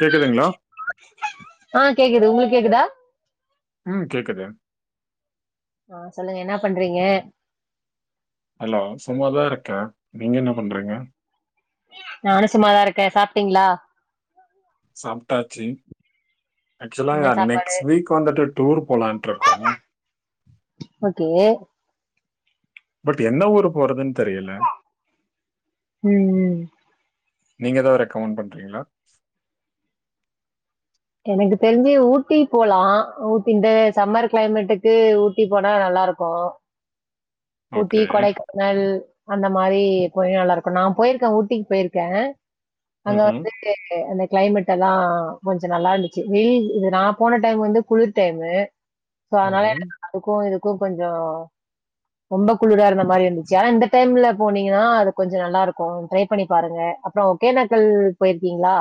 கேக்குதுங்களா ஆ கேக்குது உங்களுக் கேக்குதா ம் கேக்குது ஆ சொல்லுங்க என்னா பண்றிங்க ஹலோ சும்மாதா இருக்கே நீங்க என்ன பண்றிங்க நானு சும்மாதா இருக்கே சாப்ட்டிங்ளா சாப்டாச்சி ஆக்சுவலா என்ன சாப்பாடு நெக்ஸ்ட் வீக் வந்துட்டு டூர் போலான்ட்ருக்கோ ஓகே பட் என்ன ஊரு போறதுன் ம் ம் நீங்க எதோ ரெக்கமெண்ட் பண்றிங்ளா எனக்கு தெரிஞ்சு ஊட்டி போலா ஊ இந்த சம்மர் கிளைமேட்டுக்கு ஊட்டி போனா நல் லாருக்கு ஊட்டி ஓகே கொடைக்கானல் அந்த மாரி கொஞ்ச நல்லாருக்கு நா போயிருக்கே ஊட்டிக்கு போயிருக்கே அங்க ம் வந்து அந்த கிளைமேட் எல்லா கொஞ் ச நல்லாருந்துச்சு வெயில் இது நா போன டைம் வந்து குளிர் டைமு சோ அதனால ம் எனக்கு அதுக்கு இதுக்கு கொஞ்ச ரொம்ப குளுரா இருந்தா மாரி இருந்துச்சு ஆனா இந்த டைம்ல போனிங்கனா அது கொஞ்ச நல்லாருக்கு ட்ரை பண்ணி பாருங்க அப்ற ஒகேனக்கல் போயிருக்கிங்ளா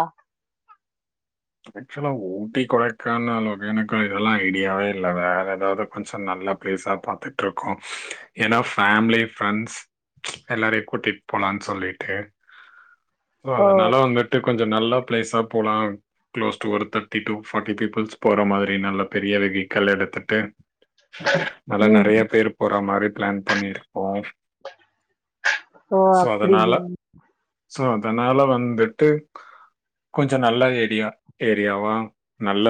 ஆக்சுவலா ஊட்டி கொடைக்கானல் ஒகேனக்கல் இதெலா ஐடியாவே இல்ல வேற எதாது கொஞ்ச நல்ல பிளேஸா பாத்துட்ருக்கோ ஏனா ஃபேமிலி ஃப்ரெண்ட்ஸ் எல்லாரையு கூட்டிட் போலான் சொல்லிட்டு [inaudible] அதனால வந்துட்டு கொஞ்ச நல்லா பிளேஸா போலா க்ளோஸ் டு ஒரு தேர்டி டு ஃபார்ட்டி பீப்புள்ஸ் போற மாதிரி நல்ல பெரிய வெகிக்கில் எடுத்துட்டு நல்லா ம். நறைய பேரு போற மாரி ப்ளான் பண்ணிருக்கோ ஓ அப்டியா சோ அதனால வந்துட்டு கொஞ்ச நல்ல ஏ ரியா ஏரியாவா நல்ல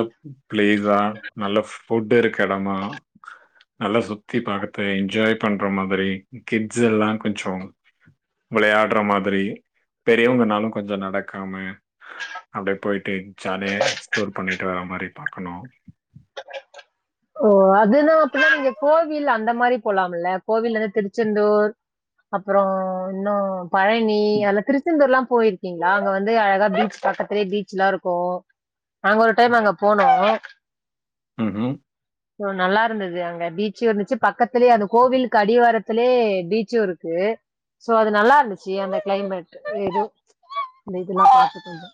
பிளேஸா நல்ல ஃபுட் இருக்க எடமா நல்ல சுத் தி பாத்து என்ஜாய் பண்ற மாதிரி கிட்ஸ் எல்லா கொஞ்ச விளையாடற மாதிரி பெரியவங்கனாலு கொஞ்ச நடக்காம அப்டி போயிட்டு ஜாலியா எக்ஸ்ப்ளோர் பண்ணிட்டு வர மாரி பாக்கணு ஓ அதுனா அப்பின்னா நீங்க கோவில் அந்த மாரி போலாமல்ல கோவில் எதா திருச்செந்தூர் அப்பறொ இன்னு பழனி அதலா திருச்செந்தூர்லா போயிருக்கிங்களா அங்க வந்து அழகா பீச் பக்கத்துலயே பீச் எல்லா இருக்கு நாங்க ஒரு டைம் அங்க போனோ ம் ம் நல்லா இருந்துது அங்க பீச்சு இருந்துச்சு பக்கத்லயே அந்த கோவிலுக்கு அடிவாரத்திலே பீச்சு இருக்கு சோ அது நல்லா இருந்துச்சு அந்த கிளைமேட் ஏது அந்த இதெல்லா பாத்துட் வந்தோ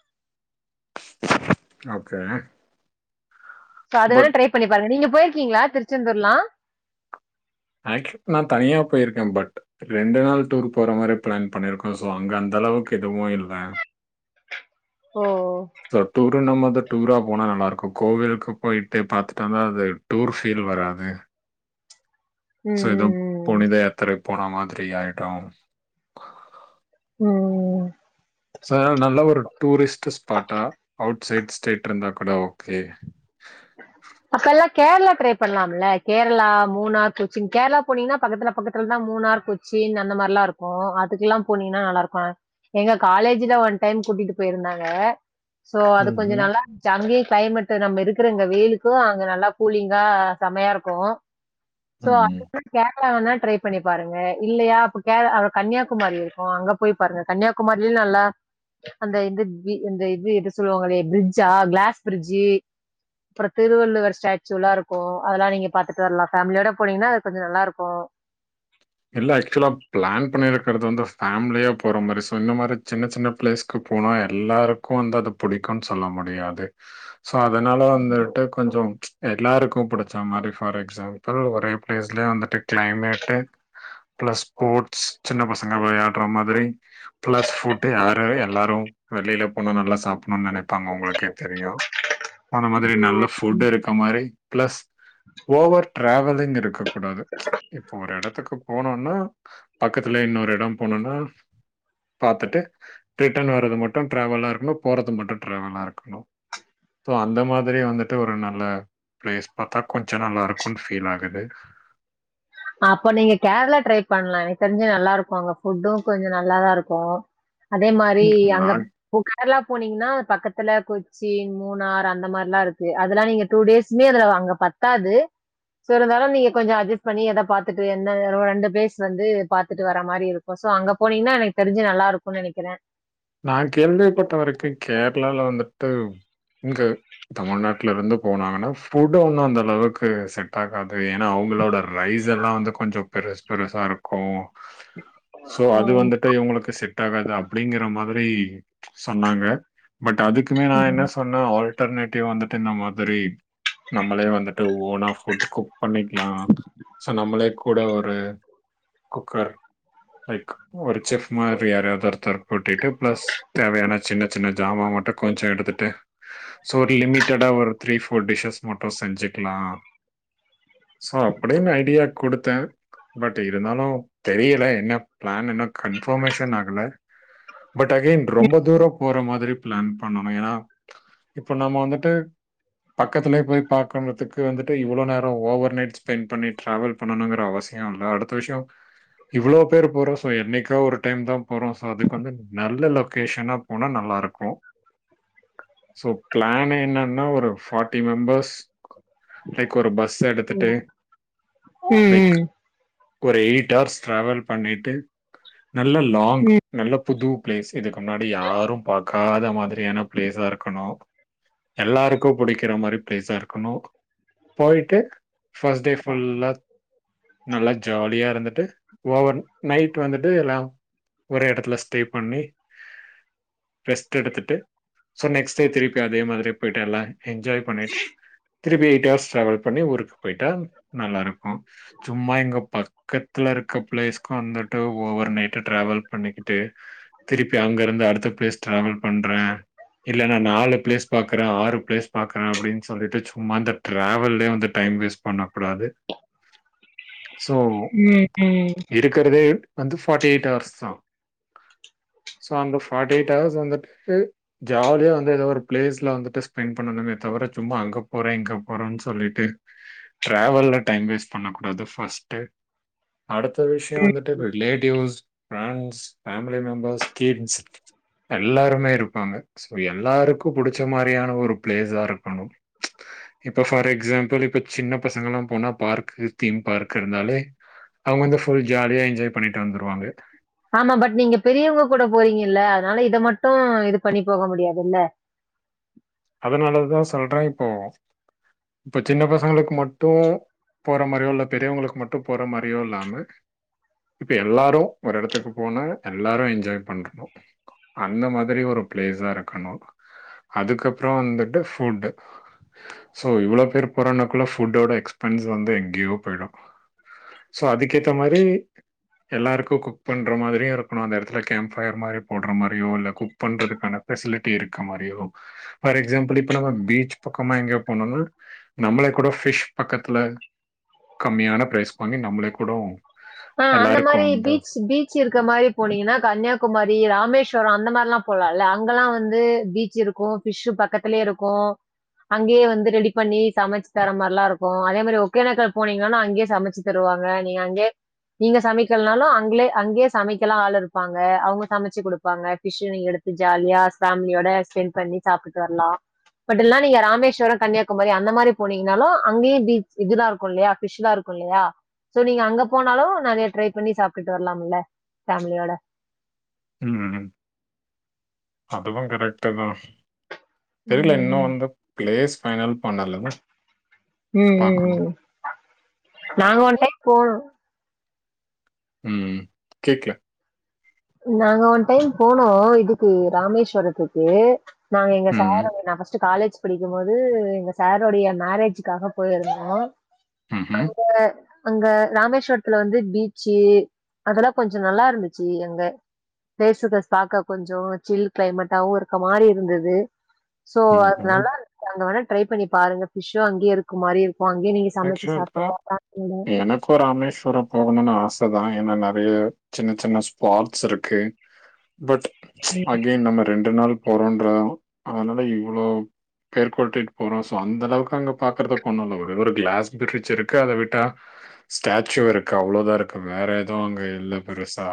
ஓகே சோ அது வேணா பட் ட்ரை பண்ணி பாருங்க நீங்க போயிருக்கிங்ளா திருச்செந்தூர்லா ஆக்சுவலி நா தனியா போயிருக்கே பட் ரெண்டு நாள் டூர் போற மாரி ப்ளான் பண்ணிருக்கோ சோ அங்க அந்த அளவுக்கு எதுவு இல்ல ஓ சோ டூருனம்போது டூரா போனா நல்லாருக்கு கோவிலுக்கு போய்ட்டு பாத்துட்டு வந்தா அது டூர் ஃபீல் வராது ம், சோ எதோ ம், ம். புனித யாத்திரை போனா மாதிரி ஆயிடு ம் சார் நல்ல ஒரு டூரிஸ்ட் ஸ்பாட்டா அவுட் சைட் ஸ்டேட் இருந்தா கூட ஓகே ஆஹ அப்ப எல்லாம் கேரளா ட்ரை பண்ணலாம்லா கேரளா மூணார் கொச்சின் கேரளா போனீங்கனா பக்கத்துல பக்கதுல தான் மூணு மூணார் கொச்சின் அந்த மாரிலாம் இருக்கு அதுக்கெல்லாம் போனீங்கன்னா நல்லா இருக்கு எங்க காலேஜ்ல ஒன் டைம் கூட்டிட்டு போயிருந்தாங்க சோ அது கொஞ்சம் ம்ஹ்ம். நல்லா இருந்துச்சி அங்கேயும் கிளைமேட் நம்ம இருக்கு இருக்குறங்க வெயிலுக்கு அங்க நல்லா கூலிங்கா செமையா இருக்கும் சோ அந்த ம். சைட் கேரளா வேற எதுனா ட்ரை பண்ணி பாருங்க இல்லையா அப்ப கேரளா கன்னியாகுமரி இருக்கும் அங்க போய் பாருங்க கன்னியாகுமரி நல்ல அந்த எ இது எத சொல்லுவாங்களே பிரிட்ஜா கிளாஸ் பிரிட்ஜு அப்புறம் திருவள்ளுவர் ஸ்டாச்சு நல்லா இருக்கும் அதெல்லாம் நீங்க பாத்துட்டு வரலாம் ஃபேமிலியோட போனீங்கன்னா அது கொஞ்சம் நல்லா இருக்கும் இல்ல ஆக்சுவலா பிளான் பண்ணிருக்குறது வந்து ஃமிலியா போற மாரி சோ இந்த மாரி சின்ன சின்ன பிளேஸ்கு போனா எல்லாருக்கும் வந்து அது புடிக்கும்ன்னு சொல்ல முடியாது சோ அதனால வந்துட்டு கொஞ்சம் எல்லாருக்கும் புடிச்ச மாரி ஃபார் எக்ஸாம்பிள் ஒரே பிளேஸ்லயே வந்துட்டு கிளைமேட்டு் [inaudible] ப்ளஸ் ஸ்போர்ட்ஸ் சின்ன பசங்க விளையாடுற மாதிரி பிளஸ் ஃபுட்டு் அதுவே எல்லாரும் வெளியில போனா நல்லா சாப்புடணும்னு நினப் இருப்பாங்க உங்களுக்கே தெரியும் அந்த மாதிரி நல்ல ஃபுட் இருக்க மாதிரி பிளஸ் ஓவர் டிராவலிங் இருக்க கூடாது இப்போ ஒரு இடத்துக்கு போனா பக்கத்துலே இன்னொரு எடம் போனும்ன்னா பாத்துட்டு ரிட்டன் வர்றது மட்டும் டிரவலா இருக்கணு போறது மட்டும் டிரவலா இருக்கணும் சோ அந்த மாதிரி வந்துட்டு ஒரு நல்ல பிளேஸ் பாத்தா கொஞ்சம் நல்லா இருக்கும்ன்னு ஃபீல் ஆகுது அப்ப நீங்க கேரளா ட்ரை பண்ணலாம் எனக்கு தெரிஞ்சி நல்லா இருக்கும் அங்க ஃபுட்டும் கொஞ்சம் நல்லாதான் இருக்கும் அதே மாதிரி அங்க நான் பூக்க கேர்ளா போனீங்கன்னா பக்கத்துல கொச்சி மூணார் அந்த மார்லாம் இருக்கு அதெல்லாம் நீங்க டூ டேஸ்மே அது அங்க பத்தாது சோ ஒரு தடவ நீங்க கொஞ்சம் அட்ஜ் பண்ணி அத பாத்தட்டு என்ன அங்க ரெண்டு பேஸ் வந்து பாத்துட்டு வர மாரி இருக்கும் சோ அங்க போனீங்னா எனக்கு தெரிஞ்சு நல்லா இருக்கும் நனை னிக்குறேன் நான் கேள்விப்பட்ட வரைக்கு கேரளால வந்துட்டு இங்க தமிழ்நாட்டுல இருந்து போனாங்கனா ஃபுட் ஒன்னு அந்த அளவுக்கு செட் ஆகாது ஏன்னா அவங்களோட ரைஸ் எல்லாம் வந்து கொஞ்சம் பெருஸ் பெருசா இருக்கும் சோ ஆ. அது வந்துட்டு இவங்களுக்கு செட் ஆகாது அப்படிங்கற மாரி ரி சொன்னாங்க பட் அதுக்குமே நான் என்ன சொன்ன ஆல் டர்னேட்டிவ்வா வந்துட்டு இந்த மாதிரி நம்மளே வந்துட்டு ஓனா ஃபுட் கொ பண்ணிக்கலாம் சோ நம்மளே கூட ஒரு குக்கர் லைக் ஒரு செஃப் மாரி யாறயாது ஒருதர கூட்டிட்டு ப்ளஸ் தேவையான சின்ன சின்ன ஜாமான் மட்டும் கொஞ்சம் எடுத்துட்டு சோ ஒரு லிமிட்டடா ஒரு த்ரீ ஃப்ல் டிஷஸ் மட்டு செஞ்சுக்கலா [inaudible] சோ அப்டினு ஐடியா குடுத்த பட் இருந்தாலும் தெரியல என்ன பிளன்னு கன்ஃபர்ம்மேஷன் ஆகல பட் அகென் ரொம்ப தூரம் போற மாரி பிளன் பண்ணணும் ஏன்னா இப்ப நம்ம வந்துட்டு பக்கத்துலயே போய் பாக்கனுதுக்கு வந்துட்டு இவ்ளோ நேரம் ஓவர் நைட் ஸ்பெண்ட் பண்ணி டிராவல் பண்ணணுங்குற அவஸ் ஷம் இல்ல அடுத்த விஷயம் இவ்ளோ பேர் போறோம் சோ என்னைக்கா ஒரு டைம் தான் போறோ அதுக்கு வந்து நல்ல லொகேஷனா போனா நல்லா இருக்கும் சோ ப்ளான் என்னன்னா ஒரு ஃபார்ட்டி மெம்பர்ஸ் லைக் ஒரு பஸ் எடுத்துட்டு ம். லைக் ம். ஒரு எயிட் ஹார்ஸ் ட்ராவல் பண்ணிட்டு நல்ல லாங் ம், நல்ல புது ப்ளேஸ் இதுக்கு முன்னாடி யாரு பாக்காத மாதிரியான ப்ளேஸா இருக்கணு எல்லாருக்கு புடிக்கிற மாரி ப்ளேஸா இருக்கணு போய்ட்டு ஃபஸ் டே ஃபுல்லா நல்லா ஜாலியா இருந்துட்டு ஓவர் நைட் வந்துட்டு எல்லா ஒரே எடத்துல ஸ் டே பண்ணி ரெஸ்ட் எடுத்துட்டு சோ நெக்ஸ்ட் டே திருப்பி அதே மாதிரி போய்ட்டு எல்லா என்ஜாய் பண்ணிட்டு திருப்பி எயிட் ஹர்ஸ் ட்ராவல் பண்ணி ஊருக் போய்ட்டா நல்லாருக் கு சும்மா இங்க பக் கத்துல இருக்க ப்ளேஸ்க்கு வந்துட்டு ஓவர் நைட்டு ட்ராவல் பண்ணிக்கிட்டு திருப்பி அங்க இருந்து அடுத்த ப்ளேஸ் டிராவல் பண்றே இல்லனா நாலு ப்ளேஸ் பாக்கறே ஆறு ப்ளேஸ் பாக்கறே அப்டின் சொல்லிட்டு சும்மா இந்த ட்ராவல்லே வந்து டைம் டைம் வேஸ் பண்ணக்கூடாது சோ ம், ம், இருக்கறதே வந்து ஃபாட்டி எயிட் ஹார்ஸ் தா சோ அந்த ஃபாட்டி எயிட் ஹவர்ஸ் வந்துட்டு ஜாலியா வந்து எதோ ஒரு ப்ளேஸ்ல வந்துட்டு ஸ்பெண் பண்ணணுமே இத வேற சும்மா அங்க போறே இங்க போறேன் சொல்லிட்டு ட்ரவல்ல டைம் வேஸ்‌ பண்ண கூடாது ஃபஸ்ட்டு அடுத்த விஷயோ ம். வந்துட்டு இப் relatives friends family members kids எல்லாருமே இருப்பாங்க சோ எல்லாருக்கு புடிச்ச மாரியான ஒரு ப்ளேஸா இருக்கணு இப்ப ஃபார் எக்ஸாம்பிள் இப்ப சின்ன பசங்கல்லா போனா பார்க் தீம் பார்க் இருந்தாலே அவுங்க வந்து ஃபுல் ஜாலியா என்ஜாய் பண்ணிட்டு வந்துருவாங்க ஆமா பட் நீங்க பெரியவுங்க கூட போறீங்கெல்ல அதனால இத மட்டு இது பண்ணி போக முடியாதுல்ல அதனாலதா சொல்றே இப்போ இப்ப சின்ன பசங்களுக்கு மட்டு போற மாரியோ இல்ல பெரியவங்களுக்கு மட்டு போற மாரியோ இல்லாம இப்ப எல்லாரு ஒரு எடத்துக்கு போனா எல்லாரு என்ஜாய் பண்றணு அந்த மாதிரி ஒரு ப்ளேஸா இருக்கணு அதுக்கப்றோ வந்துட்டு ஃபுட்டு சோ இவ்ளோ பேரு போறோனாக்குள்ள ஃபுட்டோட எக்ஸ்பென்ஸ் வந்து எங்க்யோ போயிடு சோ அதுக்கேத்த மாரி எல்லாருக்கு குக் பண்ற மாதிரியு இருக்கணு அந்த எடத்துல கேம்ப் ஃபயர் மாரி போட்ற மாரியோ இல்ல குக் பண்றதுக்கான ஃபெசிலிட்டி இருக்க மாரியோ ஃபார் எக்ஸாம்பிள் இப்ப நம்ம பீச் பக்கமா எங்கயோ போனோனா நம்மள கூட ஃபிஷ் பக்கத்துல கம்மியான ப்ரைஸ்க் பண்ணி நம்மளே கூடோ அ அந்த மாரி பீச்சு பீச் இருக்குற மாரி போனீங்கனா கன்னியாகுமாரி ராமேஷ் வறோ அந்த மாரிலா போலால அங்கெல்லா வந்து பீச் இருக்கு ஃபிஷ்ஷு பக்கத்துலே இருக்கு அங்கேயே வந்து ரெடி பண்ணி சமச் தர மார்லாருக்கு அதே மாரி ஒகேனக்கல் போனீங்கனா அங்க்யே சமச்சு தரு வாங்க நீங்க அங்கே நீங்க சமைக்கல்னாலு அங்கிலே அங்க்யே சமைக்கலா ஆள் இருப்பாங்க அவுங்க சமச்சு குடுப்பாங்க ஃபிஷ்ஷு நீங் எடு த்து ஜாலியா ஃபேமிலியோட ஸ்பெண் பண்ணி சாப்ட்டுட் வர்லா பட் இல்னா நீங்க ராமேஸ்வரோ கன்னியாகுமரி அந்த மாரி போனீங்கனாலு அங்கயு பீச் இதுல்லா இருக்கு இல்லியா ஃபிஷ் லா இரு க்கு இல்லையா சோ நீங்க அங்கப் போனாலு நெறைய ட்ரை பண்ணி சாப்டுட்டு வரலாம்ல ஃபேமிலியோட ம் ம் ம் அதுவு கரெக்ட்டு தா தெரில இன்னு வந்து ப்ளேஸ் ஃபைனல் பண்ணல. ம் ம் ம் பாக்கணும். ம் நாங்க ஒன் டைம் போனோ ம் ம் கேக்ல நாங்க ஒன் டைம் போனோ இதுக்கு ராமேஸ்வரத்துக்கு நாங்க எங்க ம். சாரோ [unintelligible] நா ஃபஸ்ட்டு காலேஜ் படிக்கு போது எங்க சாரோடய மேரேஜுக்காக போயிருந்தோ ம்‌ ம் அங்க ராமேஸ்வரத்துல வந்து பீச்சி அதெல்லா கொஞ்சோ நல்லாருந்துச்சி அங்க பேசுத சாக்கா கொஞ்சோ‌ சில் கிளைமேட்டாவு இருக்க மாரி இருந்தது சோ அது ம்ஹ்ம். நல்லாருக்கு அதனால ட்ரை பண்ணி பாருங்க ஃபிஷ்ஷு அங்கியே இருக்க மாரி இருக் எனக்கு ராமேஸ்வரோ போகணுன்னு ஆஸ் இப்ப தா ஏன்னா நெறைய சின்ன சின்ன ஸ்பாட்ஸ் இருக்கு பட் அகெய்ன் நம்ம ரெண்டு நாள் போறோன்ற அதனால இவ்ளோ பேர் கூட்டிட்டு போறோ சோ அந்த அளவுக்கு அங்க பாக்குறதுக்கு ஒண்ணுல்ல ஒரே ஒரு கிளாஸ் பிரிட்ஜ் இருக்கு அத விட்டா ஸ்டாச்சூ இருக்கு அவ்ளோதா இருக்கு வேற எதவு அங்க இல்ல பெருசா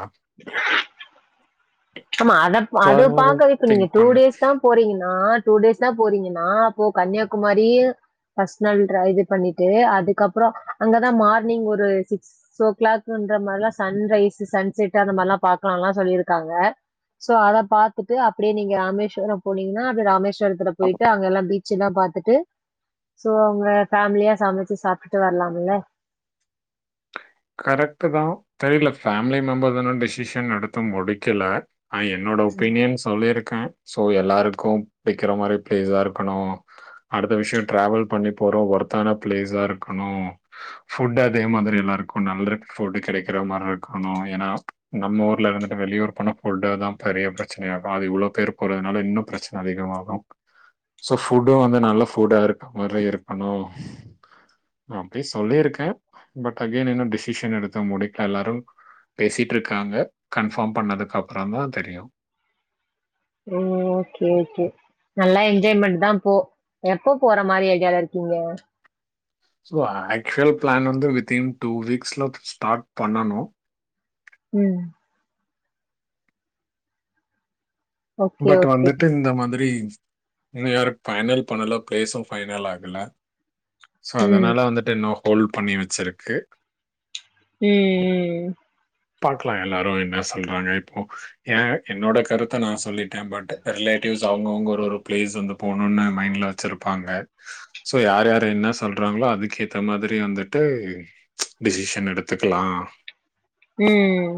ஆமா அதப் ஸோ அத அதனால தான் பாக்கதுக்கு நீங்க திங்க் டூ பண்ணேன். டேஸ் தா போறீங்கன்னா டூ டேஸ் தா போறீங்கன்னா அப்போ கன்னியாகுமாரி ஃபர்ஸ்ட் நாள் டிரைவ் பண்ணிட்டு அதுக்கப்புறோ அங்கதா மார்னிங் ஒரு சிக்ஸ் ஓ கிளாக்கு குன்ற மாரில்லா சன் ரைஸ் சன் செட் அந்த மாரில்லா பாக்கலால்லா சொல்லிருக்காங்க சொல்லியிருக்காங்க சோ அத பாத்துட்டு அப்டியே நீங்க ராமேஸ்வரம் போனீங்கன்னா அப்டி ராமேஸ்வரத்துல போயிட்டு அங்கல்லா பீச் சில்லா பாத்துட்டு சோ அவுங்க ஃபேமிலியா சமச்சி சாப்ட்டுட்டு வரலாம்ல கரெக்ட்டு தா தெரில ஃபேம்லி மெம்பர் இன்னு டிசிஷன் எடுத்து முடிக்கல அ என்னோட ஒபீனியன் சொல்லிருக் கு சோ எல்லாருக்கு பிடிக்கிற மாரி பிளேஸாருக்கணு அடுத்த விஷயோ டிராவல் பண்ணி போ றோ ஒர்த்தான பிளேஸாருக்கணு ஃபுட்டு அதே மாதிரி எல்லாருக் கு நல்ல ஃபுட்டு கெடைக்கிற மாரிருக்கணு ஏன்னா நம்ம ஊர்ல இருந்துட்டு வெளியூர் போனா ஃபுட்டதா பெரிய பிரச்னையாகு அது இவ்ளோ பேரு போறதுனால இன்னு பிரச்சன அதிகமாகு சோ ஃபுட்டு வந்து நல்ல ஃபுட்டா இருக்க மாரி இருக்கணு நா போய் சொல்லியிருக்க பட் அகேய்ன் இன்னு டிசிஷன் எடுத்து முடிக்கல எல்லாரு பேசிட்ருக்காங்க கன்ஃபார்ம் பண்ணதுக்கு அப்புறந்தா தெரியு அ ஓகே ஓகே நல்லா என்ஜாய்மெண்ட் தா போ எப்ப போற மாரி ஐடியால இருக்கீங்க சும்மா ஆக்சுவல் பிளான் வந்து வித்தின் டூ வீக்ஸ்ல ஸ்டார்ட் பண்ணனு ம் ஓகே, பட் ஓகே. வந்துட்டு இந்த மாதிரி நீ வேற ஃபைனல் பண்ணல பிளேஸு ஃபைனல் ஆகல சோ ம். அதனால வந்துட்டு இன்னோ ஹோல் பண்ணி வெச்சிருக்கு ம் ம்‌ ம் பாக்லா எல்லாரு என்ன சொல்றாங்க இப்போ எ என்னோட கருத்தோ நா சொல்லிட்ட பட்டு ரிலேட்டிவ்ஸ் அவுங்கவுங்க ஒரு ஒரு பிளேஸ் வந்து போணுன்னு மைண்ட்ல வெச்சிருப்பாங்க சோ யார் யாரு என்ன சொல்றாங்ளோ அதுக்கேத்தா மாதிர் ரி வந்துட்டு டிசிஷன் எடுத்துக்கலா ம்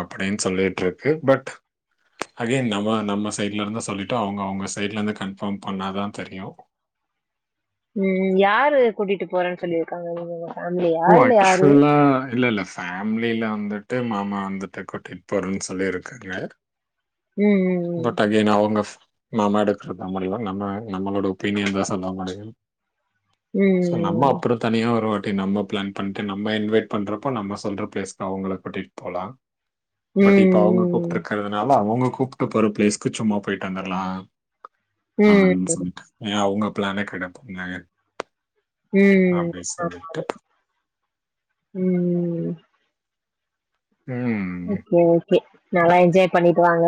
அப்படின் சொல்லிட்ருக்கு பட்டு அகேய்ன் நம்ம நம்ம சைட்லருந்தோ சொல்லிட்டோ அவுங்க அவுங்க சைட்லருந்து கன்ஃபார்ம் பண்ணாதா தெரியு ம் யாரு கூட்டிட்டு போறேன் சொல்லிருக்காங்க இவுங்கள ஒ ஆக்சுவலா இல்லல்ல ஃபேம்லில வந்துட்டு மாமா வந்துட்டு கூட்டிட் போறன் சொல்லிருக்காங்க ம், ம், பட் அகெய்ன் அவுங்க மாமா எடுக்கறதா முடிவு நம்ம நம்மளோட ஒப்பீனியன் தா சொல்ல முடியு சோ நம்ம ம். அப்புறோ தனியா ஒருவாட் டி நம்ம பிளான் பண்ட்டு நம்ம இன்வைட் பண்றப்போ நம்ம சொல்ற பிளேஸ்கு அவுங்கள கூட்டிட் போலா பட்டு இப்ப அவுங்க ம், கூப்ட்டுருக்கறதுனால அவுங்க கூப்புட் டு போற ப்ளேஸ்க்கு சும்மா போயிட்டு வந்தற்லா ம், ம். ம், அப்டின் சொல்லிட்ட எ அவுங்க ப்ளான [unintelligible] ம் ம ஆமா ஆமா ம் ம் ம் ஓகே ஓகே நல்லா என்ஜாய் பண்ணிட்டு வாங்க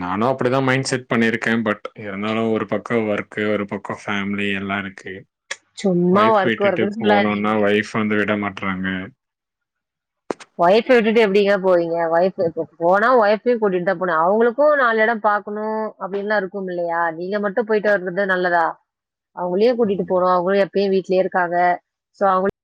நானு அப்படிதா மைண்ட் செட் பண்ணிருக்கே பட் இருந்தாலு ஒரு பக்க ஒர்க் ஒரு பக்கோ ஃபேமிலி எல்லா இருக்கு சும்மா ஒய்ஃப் ஒர்க் விட்டுட்டு ஒர்க்ன்னு போனோனா சொல்லாதீங்க. ஒயஃப் வந்து விட மாட் ட்றாங்க ஒய்ஃப விட்டுட்டு எப்டிங்க போவீங்க ஒய்ஃப் போனா ஒய்ஃபையு கூட்டிட்டுதா போனு அவுங்களுக்கு நாலு எடோ பா பாக்கணு அப்டின்ல்லா இருக்கு இல்லையா நீங்க மட்டு போயிட்டு வந்தரது நல்லதா அவுங்களயு கூட்டிட்டு போனு அவுங்களு எப்பயு வீட்லயே இருக்காங்க சோ அவுங்க